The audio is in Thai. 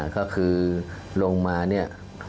ก็คือลงมาเนี่ย